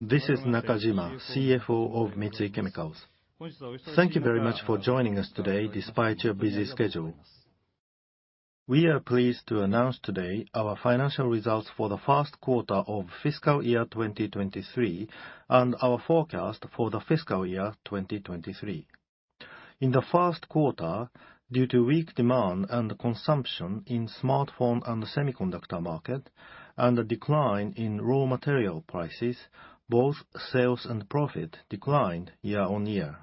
This is Nakajima, CFO of Mitsui Chemicals. Thank you very much for joining us today despite your busy schedule. We are pleased to announce today our financial results for the first quarter of fiscal year 2023, and our forecast for fiscal year 2023. In the first quarter, due to weak demand and consumption in smartphone and the semiconductor market, and a decline in raw material prices, both sales and profit declined year-on-year.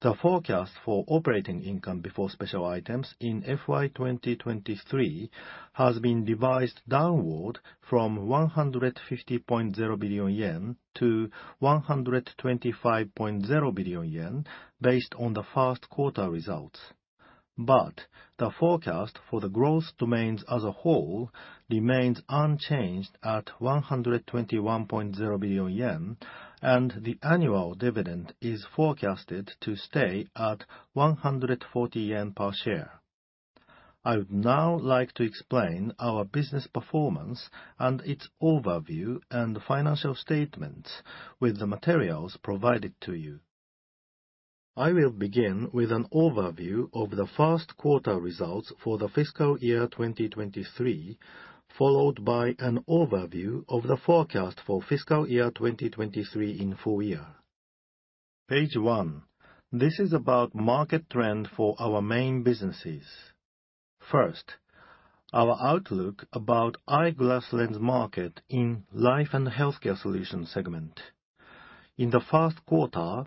The forecast for operating income before special items in FY 2023 has been revised downward from 150.0 billion yen to 125.0 billion yen, based on the first quarter results. The forecast for the growth domains as a whole remains unchanged at 121.0 billion yen, and the annual dividend is forecasted to stay at 140 yen per share. I would now like to explain our business performance and its overview and financial statements with the materials provided to you. I will begin with an overview of the first quarter results for FY2023, followed by an overview of the forecast for FY2023 in full year. Page 1. This is about market trend for our main businesses. First, our outlook about eyeglass lens market in Life & Healthcare Solutions segment. In the first quarter,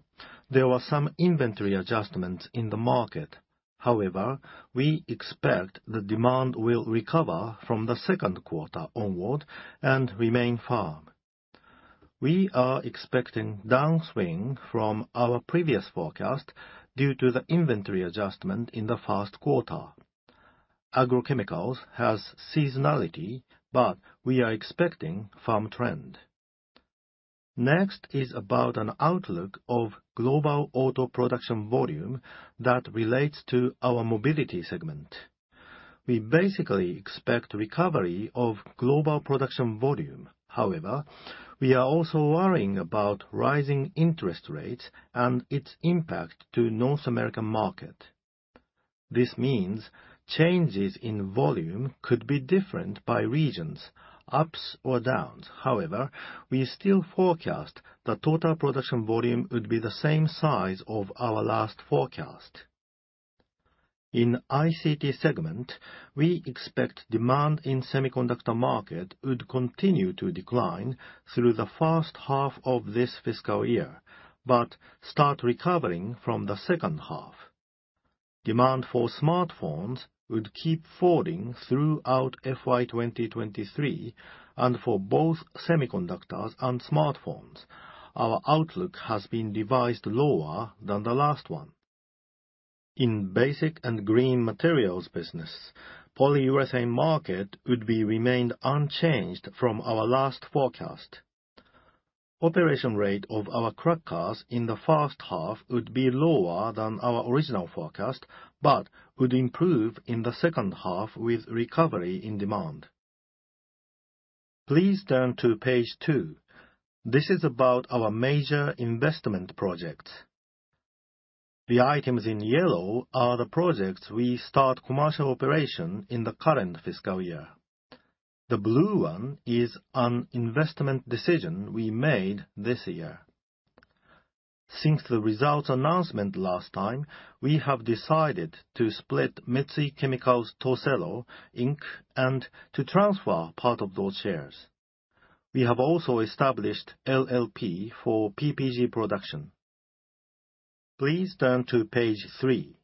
there were some inventory adjustments in the market. However, we expect the demand will recover from the second quarter onward and remain firm. We are expecting downswing from our previous forecast due to the inventory adjustment in the first quarter. agrochemicals has seasonality, but we are expecting firm trend. Next is about an outlook of global auto production volume that relates to our Mobility Solutions. We basically expect recovery of global production volume. We are also worrying about rising interest rates and its impact to North American. This means changes in volume could be different by regions, ups or downs. We still forecast the total production volume would be the same size of our last forecast. In ICT Solutions, we expect demand in semiconductor market would continue to decline through the first half of this fiscal year, but start recovering from the second half. Demand for smartphones would keep falling throughout FY2023, and for both semiconductors and smartphones, our outlook has been revised lower than the last one. In Basic & Green Materials business, polyurethane market would be remained unchanged from our last forecast. Operation rate of our crackers in the first half would be lower than our original forecast, but would improve in the second half with recovery in demand. Please turn to page 2. This is about our major investment projects. The items in yellow are the projects we start commercial operation in the current fiscal year. The blue one is an investment decision we made this year. Since the results announcement last time, we have decided to split Mitsui Chemicals Tohcello, Inc. and to transfer part of those shares. We have also established LLP for PPG production. Please turn to page 3,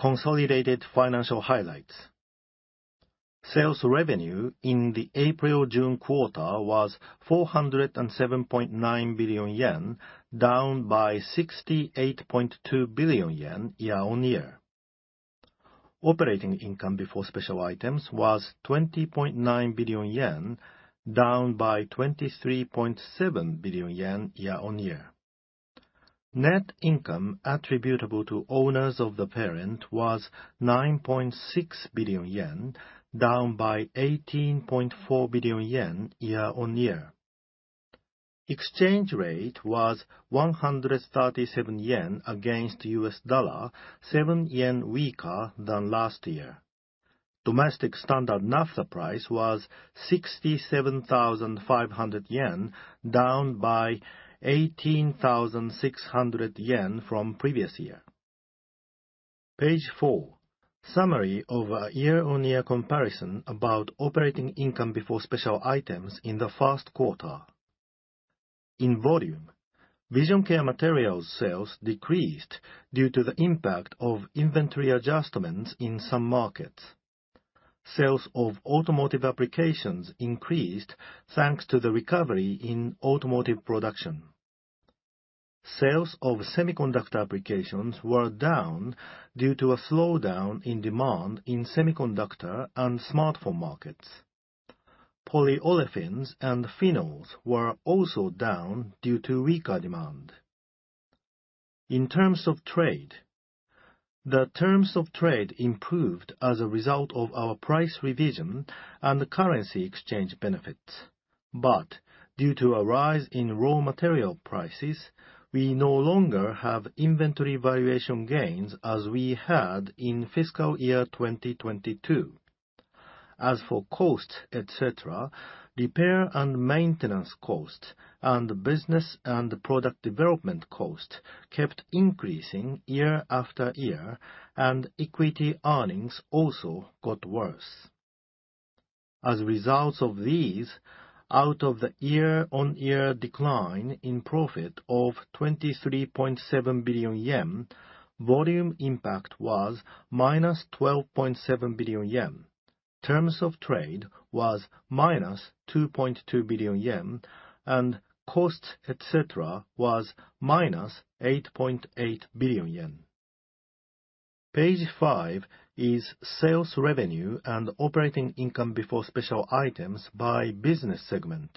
consolidated financial highlights. Sales revenue in the April-June quarter was 407.9 billion yen, down by 68.2 billion yen year-on-year. Operating income before special items was 20.9 billion yen, down by 23.7 billion yen year-on-year. Net income attributable to owners of the parent was 9.6 billion yen, down by 18.4 billion yen year-on-year. Exchange rate was 137 yen against US dollar, 7 yen weaker than last year. Domestic standard naphtha price was 67,500 yen, down by 18,600 yen from previous year. Page 4, summary of our year-on-year comparison about operating income before special items in the first quarter. In volume, Vision Care materials sales decreased due to the impact of inventory adjustments in some markets. Sales of automotive applications increased thanks to the recovery in automotive production. Sales of semiconductor applications were down due to a slowdown in demand in semiconductor and smartphone markets. Polyolefins and phenols were also down due to weaker demand. In terms of trade, the terms of trade improved as a result of our price revision and the currency exchange benefits. Due to a rise in raw material prices, we no longer have inventory valuation gains as we had in fiscal year 2022. As for costs, et cetera, repair and maintenance costs, and business and product development cost kept increasing year after year, and equity earnings also got worse. As a result of these, out of the year-on-year decline in profit of 23.7 billion yen, volume impact was -12.7 billion yen. Terms of trade was -2.2 billion yen, and costs, et cetera, was -8.8 billion yen. Page 5 is sales revenue and operating income before special items by business segment.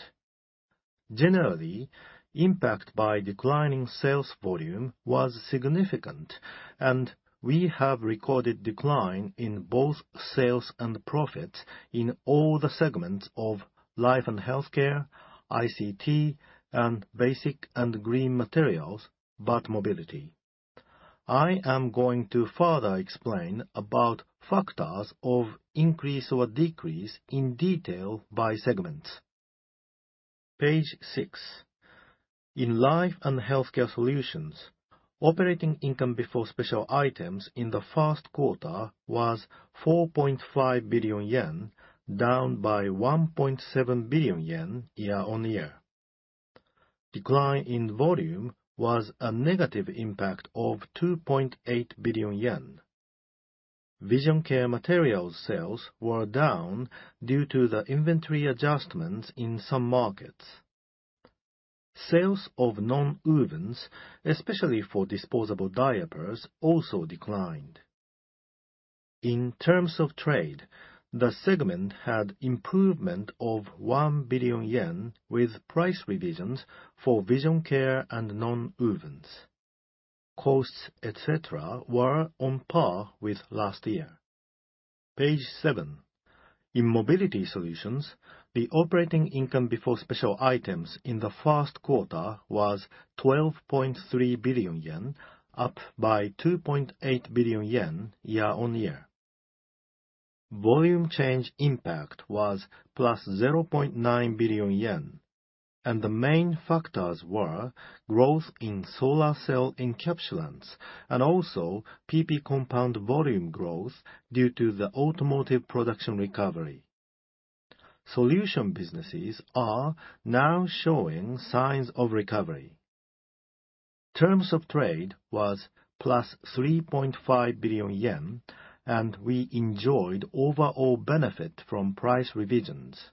Generally, impact by declining sales volume was significant, and we have recorded decline in both sales and profits in all the segments of Life & Healthcare Solutions, ICT Solutions, and Basic & Green Materials, but Mobility Solutions. I am going to further explain about factors of increase or decrease in detail by segments. Page 6. In Life & Healthcare Solutions, operating income before special items in the first quarter was 4.5 billion yen, down by 1.7 billion yen year-on-year. Decline in volume was a negative impact of 2.8 billion yen. vision care materials sales were down due to the inventory adjustments in some markets. Sales of nonwovens, especially for disposable diapers, also declined. In terms of trade, the segment had improvement of 1 billion yen, with price revisions for vision care and nonwovens. Costs, et cetera, were on par with last year. Page 7. In Mobility Solutions, the operating income before special items in the first quarter was 12.3 billion yen, up by 2.8 billion yen year-on-year. Volume change impact was +0.9 billion yen, and the main factors were growth in solar cell encapsulants and also PP compound volume growth due to the automotive production recovery. Solution businesses are now showing signs of recovery. Terms of trade was +3.5 billion yen, and we enjoyed overall benefit from price revisions,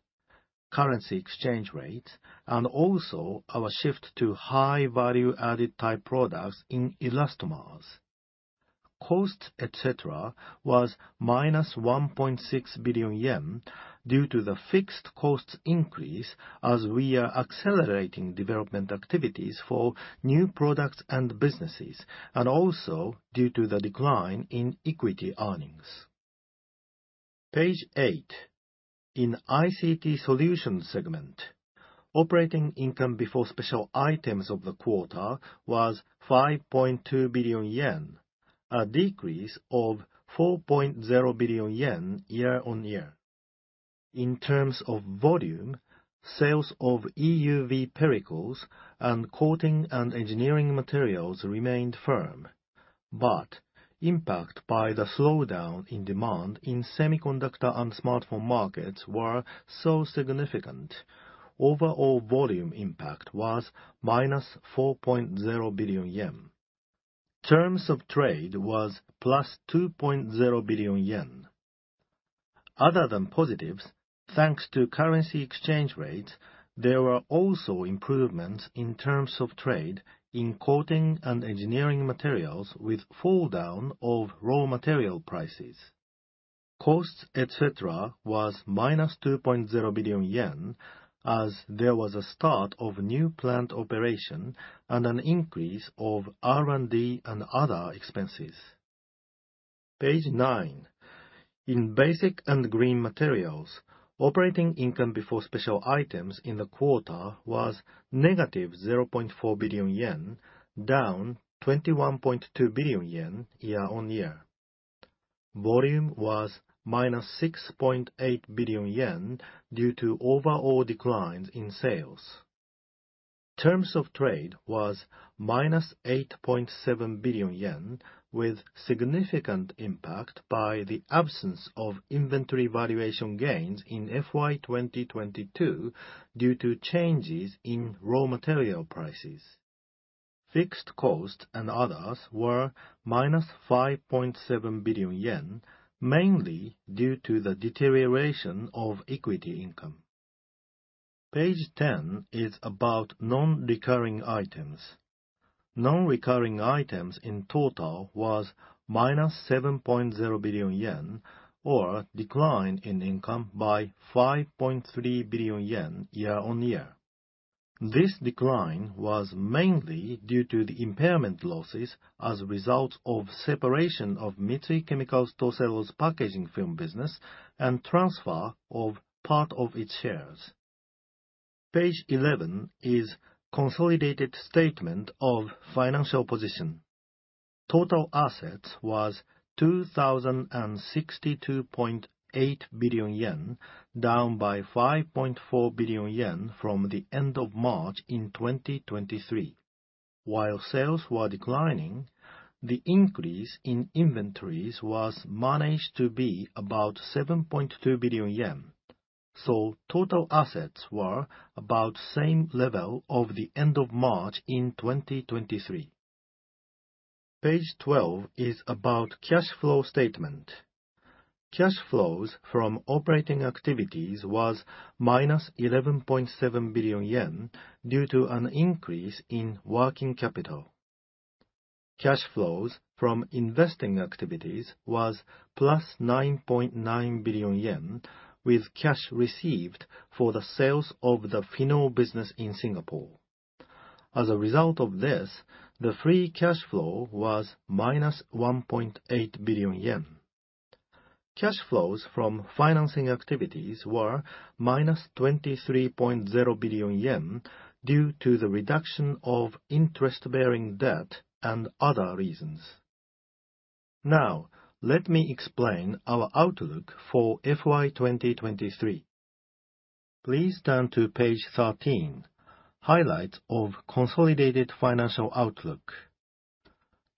currency exchange rates, and also our shift to high value-added type products in elastomers. Cost, et cetera, was -1.6 billion yen due to the fixed costs increase as we are accelerating development activities for new products and businesses, and also due to the decline in equity earnings. Page 8. In ICT Solutions segment, operating income before special items of the quarter was 5.2 billion yen, a decrease of 4.0 billion yen year-on-year. In terms of volume, sales of EUV pellicles and coatings & engineering materials remained firm, impact by the slowdown in demand in semiconductor and smartphone markets were so significant. Overall volume impact was -4.0 billion yen. Terms of trade was +2.0 billion yen. Other than positives, thanks to currency exchange rates, there were also improvements in terms of trade in coatings & engineering materials with fall down of raw material prices. Costs, et cetera, was -2.0 billion yen, as there was a start of new plant operation and an increase of R&D and other expenses. Page 9. In Basic & Green Materials, operating income before special items in the quarter was minus 0.4 billion yen, down 21.2 billion yen year-on-year. Volume was -6.8 billion yen due to overall declines in sales. Terms of trade was -8.7 billion yen, with significant impact by the absence of inventory valuation gains in FY2022 due to changes in raw material prices. Fixed costs and others were -5.7 billion yen, mainly due to the deterioration of equity income. Page 10 is about non-recurring items. Non-recurring items in total was -7.0 billion yen, or decline in income by 5.3 billion yen year-on-year. This decline was mainly due to the impairment losses as a result of separation of Mitsui Chemicals Tohcello's packaging film business and transfer of part of its shares. Page 11 is consolidated statement of financial position. Total assets was 2,062.8 billion yen, down by 5.4 billion yen from the end of March in 2023. While sales were declining, the increase in inventories was managed to be about 7.2 billion yen, total assets were about same level of the end of March in 2023. Page 12 is about cash flow statement. Cash flows from operating activities was -11.7 billion yen due to an increase in working capital. Cash flows from investing activities was +9.9 billion yen, with cash received for the sales of the phenol business in Singapore. As a result of this, the free cash flow was -1.8 billion yen. Cash flows from financing activities were -23.0 billion yen due to the reduction of interest-bearing debt and other reasons. Now, let me explain our outlook for FY2023. Please turn to page 13, Highlights of Consolidated Financial Outlook.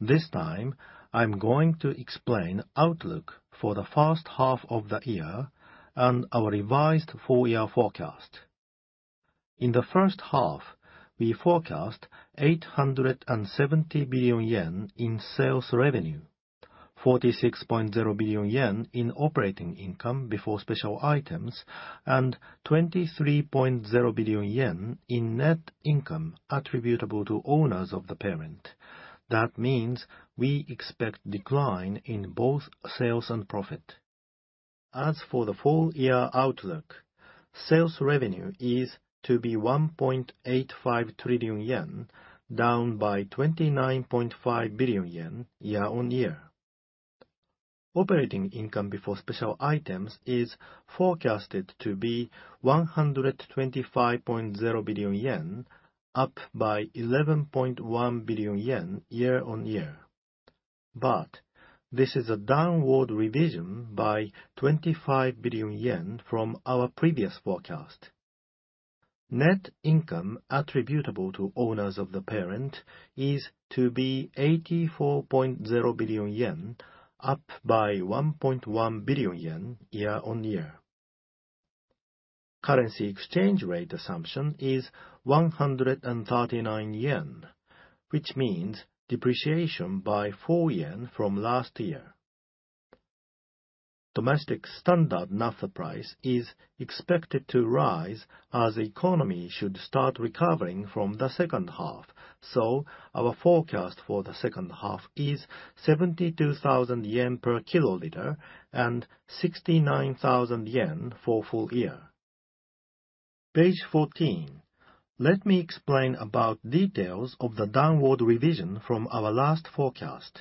This time, I'm going to explain outlook for the first half of the year and our revised full year forecast. In the first half, we forecast 870 billion yen in sales revenue, 46.0 billion yen in operating income before special items, and 23.0 billion yen in net income attributable to owners of the parent. That means we expect decline in both sales and profit. As for the full year outlook, sales revenue is to be 1.85 trillion yen, down by 29.5 billion yen year-on-year. Operating income before special items is forecasted to be 125.0 billion yen, up by 11.1 billion yen year-on-year. This is a downward revision by 25 billion yen from our previous forecast. Net income attributable to owners of the parent is to be 84.0 billion yen, up by 1.1 billion yen year-on-year. Currency exchange rate assumption is 139 yen, which means depreciation by 4 yen from last year. Domestic standard naphtha price is expected to rise as the economy should start recovering from the second half. Our forecast for the second half is 72,000 yen per kiloliter and 69,000 yen for full year. Page 14. Let me explain about details of the downward revision from our last forecast.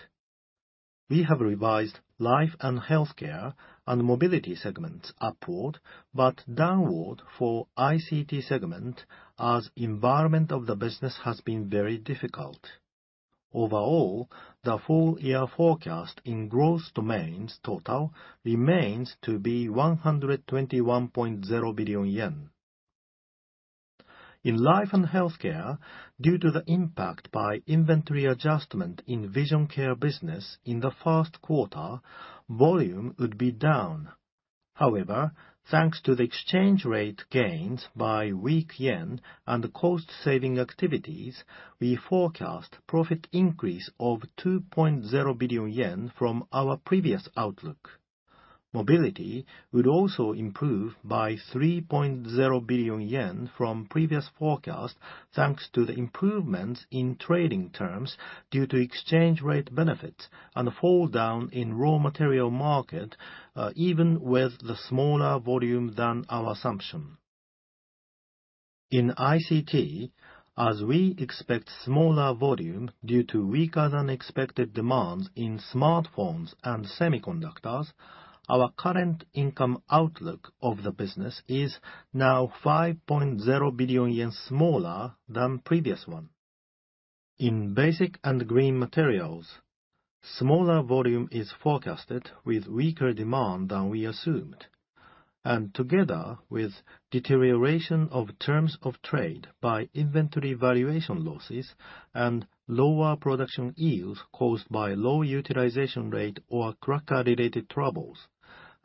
We have revised Life & Healthcare Solutions and Mobility Solutions upward, but downward for ICT Solutions as environment of the business has been very difficult. Overall, the full year forecast in growth domains total remains to be 121.0 billion yen. In Life & Healthcare Solutions, due to the impact by inventory adjustment in Vision Care business in the first quarter, volume would be down. However, thanks to the exchange rate gains by weak yen and cost-saving activities, we forecast profit increase of 2.0 billion yen from our previous outlook. Mobility Solutions would also improve by 3.0 billion yen from previous forecast, thanks to the improvements in trading terms due to exchange rate benefits and fall down in raw material market, even with the smaller volume than our assumption. In ICT, as we expect smaller volume due to weaker-than-expected demands in smartphones and semiconductors, our current income outlook of the business is now 5.0 billion yen smaller than previous one. In Basic & Green Materials, smaller volume is forecasted with weaker demand than we assumed, together with deterioration of terms of trade by inventory valuation losses and lower production yields caused by low utilization rate or cracker-related troubles,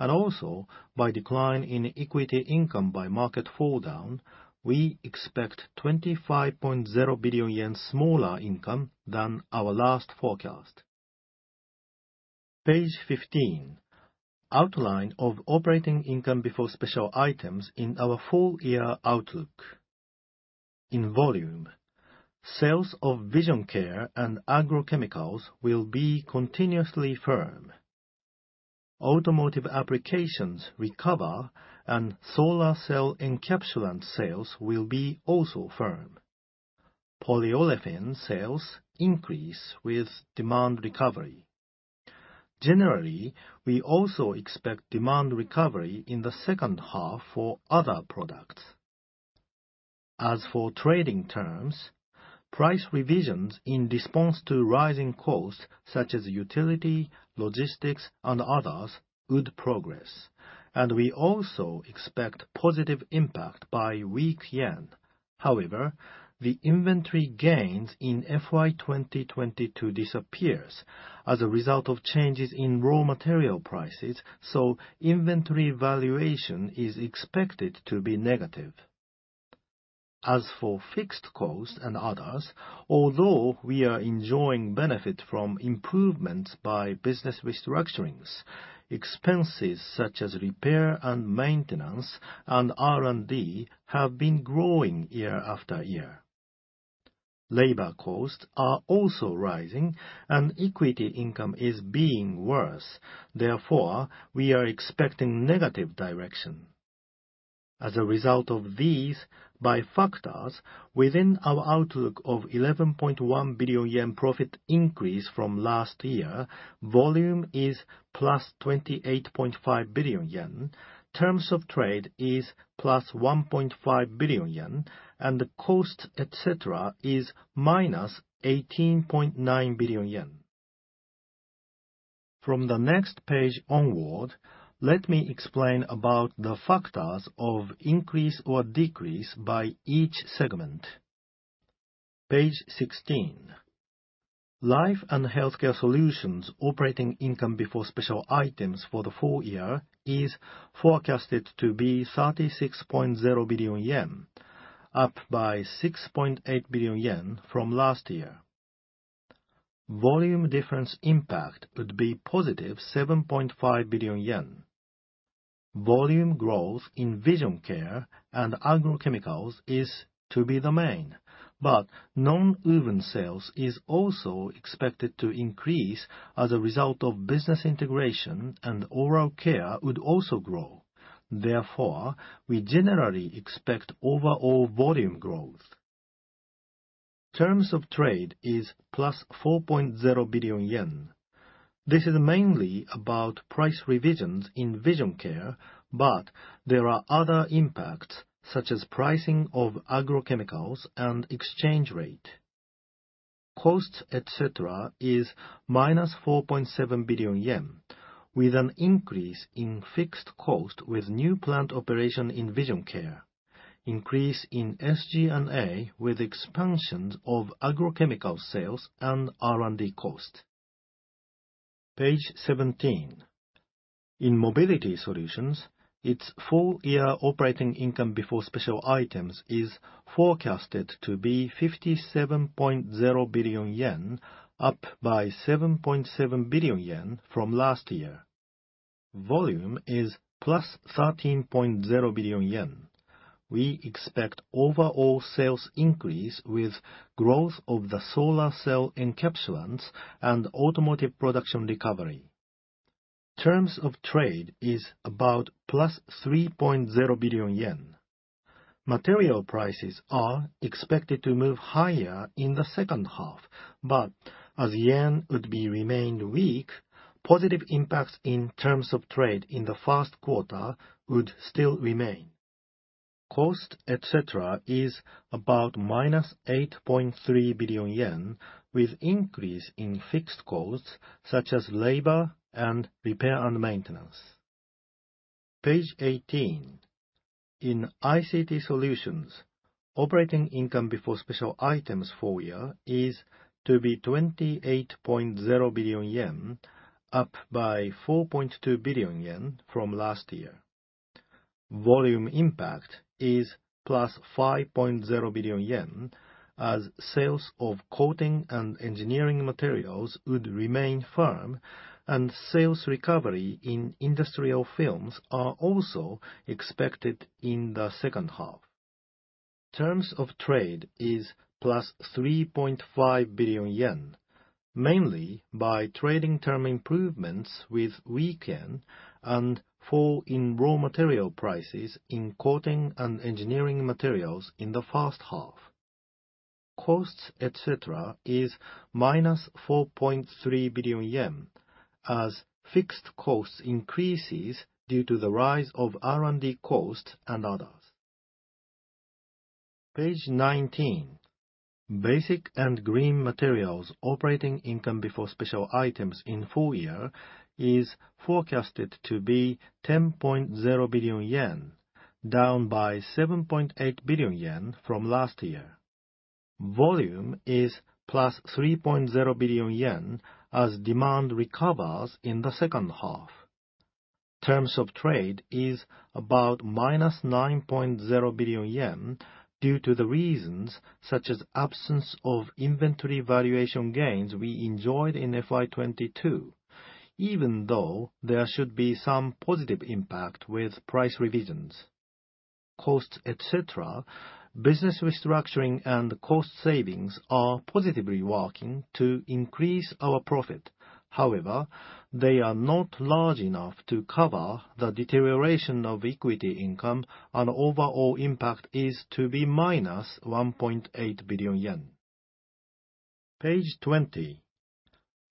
also by decline in equity income by market fall down, we expect 25.0 billion yen smaller income than our last forecast. Page 15, Outline of operating income before special items in our full year outlook. In volume, sales of vision care and agrochemicals will be continuously firm. Automotive applications recover. Solar cell encapsulant sales will be also firm. Polyolefin sales increase with demand recovery. Generally, we also expect demand recovery in the second half for other products. As for trading terms, price revisions in response to rising costs such as utility, logistics, and others would progress. We also expect positive impact by weak yen. However, the inventory gains in FY2022 disappears as a result of changes in raw material prices. Inventory valuation is expected to be negative. As for fixed costs and others, although we are enjoying benefit from improvements by business restructurings, expenses such as repair and maintenance and R&D have been growing year after year. Labor costs are also rising. Equity income is being worse. We are expecting negative direction. As a result of these by factors, within our outlook of 11.1 billion yen profit increase from last year, volume is +28.5 billion yen, terms of trade is +1.5 billion yen, the cost, et cetera, is -18.9 billion yen. From the next page onward, let me explain about the factors of increase or decrease by each segment. Page 16. Life & Healthcare Solutions operating income before special items for the full year is forecasted to be 36.0 billion yen, up by 6.8 billion yen from last year. Volume difference impact would be +7.5 billion yen. Volume growth in vision care and agrochemicals is to be the main, nonwovens sales is also expected to increase as a result of business integration, oral care would also grow. Therefore, we generally expect overall volume growth. Terms of trade is +4.0 billion yen. This is mainly about price revisions in vision care, but there are other impacts, such as pricing of agrochemicals and exchange rate. Costs, et cetera, is -4.7 billion yen, with an increase in fixed cost with new plant operation in vision care, increase in SG&A with expansions of agrochemical sales and R&D cost. Page 17. In Mobility Solutions, its full year operating income before special items is forecasted to be 57.0 billion yen, up by 7.7 billion yen from last year. Volume is -13.0 billion yen. We expect overall sales increase with growth of the solar cell encapsulants and automotive production recovery. Terms of trade is about -3.0 billion yen. Material prices are expected to move higher in the second half, but as yen would be remained weak, positive impacts in terms of trade in the first quarter would still remain. Cost, et cetera, is about -8.3 billion yen, with increase in fixed costs such as labor and repair and maintenance. Page 18. In ICT Solutions, operating income before special items full year is to be 28.0 billion yen, up by 4.2 billion yen from last year. Volume impact is -5.0 billion yen, as sales of coatings & engineering materials would remain firm, and sales recovery in industrial films are also expected in the second half. Terms of trade is -3.5 billion yen, mainly by trading term improvements with weak yen and fall in raw material prices in coatings & engineering materials in the first half. Costs, et cetera, is minus 4.3 billion yen, as fixed costs increases due to the rise of R&D costs and others. Page 19. Basic & Green Materials operating income before special items in full year is forecasted to be 10.0 billion yen, down by 7.8 billion yen from last year. Volume is +3.0 billion yen, as demand recovers in the second half. Terms of trade is about +9.0 billion yen due to the reasons such as absence of inventory valuation gains we enjoyed in FY2022, even though there should be some positive impact with price revisions.... costs, et cetera, business restructuring and cost savings are positively working to increase our profit. They are not large enough to cover the deterioration of equity income, and overall impact is to be -1.8 billion yen. Page 20.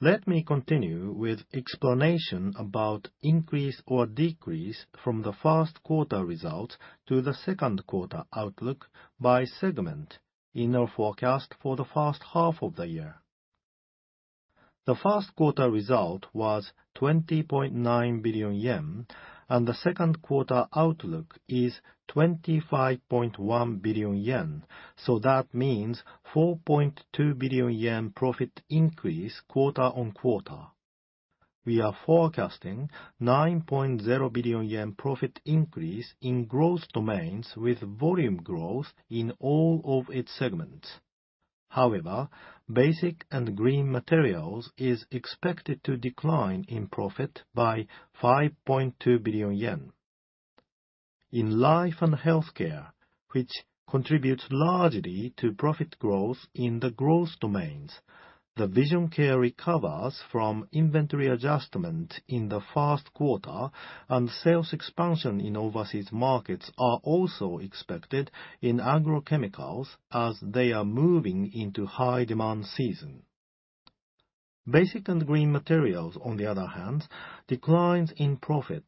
Let me continue with explanation about increase or decrease from the first quarter results to the second quarter outlook by segment in our forecast for the first half of the year. The first quarter result was 20.9 billion yen, and the second quarter outlook is 25.1 billion yen, so that means 4.2 billion yen profit increase quarter-on-quarter. We are forecasting 9.0 billion yen profit increase in growth domains with volume growth in all of its segments. However, Basic & Green Materials is expected to decline in profit by 5.2 billion yen. In Life & Healthcare Solutions, which contributes largely to profit growth in the growth domains, the Vision Care recovers from inventory adjustment in the first quarter, and sales expansion in overseas markets are also expected in agrochemicals as they are moving into high demand season. Basic & Green Materials, on the other hand, declines in profit.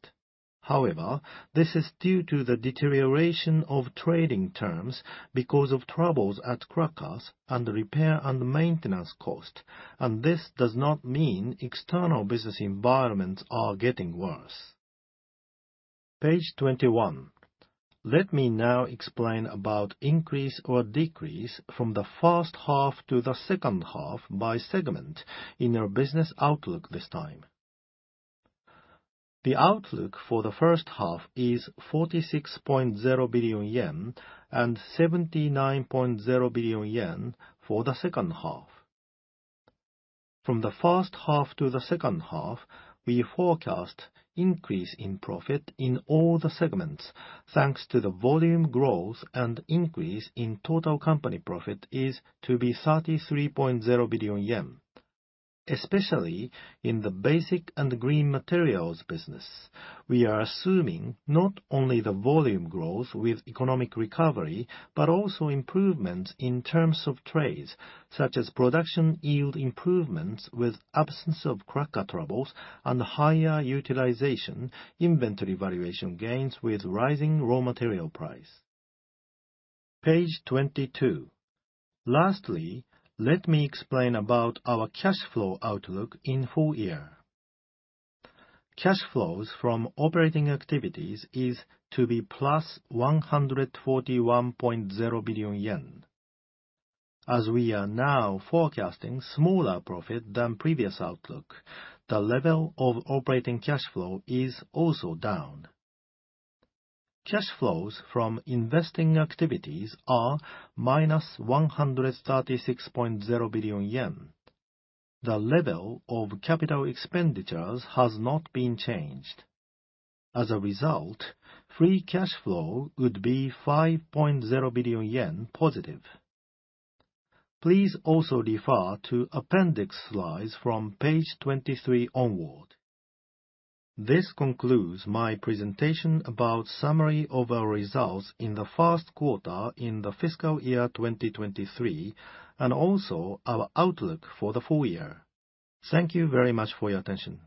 This is due to the deterioration of trading terms because of troubles at crackers and repair and maintenance cost, and this does not mean external business environments are getting worse. Page 21. Let me now explain about increase or decrease from the first half to the second half by segment in our business outlook this time. The outlook for the first half is 46.0 billion yen and 79.0 billion yen for the second half. From the first half to the second half, we forecast increase in profit in all the segments, thanks to the volume growth and increase in total company profit is to be 33.0 billion yen. Especially in the Basic & Green Materials business, we are assuming not only the volume growth with economic recovery, but also improvements in terms of trades, such as production yield improvements with absence of cracker troubles and higher utilization, inventory valuation gains with rising raw material price. Page 22. Lastly, let me explain about our cash flow outlook in full year. Cash flows from operating activities is to be +141.0 billion yen. As we are now forecasting smaller profit than previous outlook, the level of operating cash flow is also down. Cash flows from investing activities are -136.0 billion yen. The level of capital expenditures has not been changed. As a result, free cash flow would be 5.0 billion yen positive. Please also refer to appendix slides from page 23 onward. This concludes my presentation about summary of our results in the first quarter in the fiscal year 2023, and also our outlook for the full year. Thank you very much for your attention.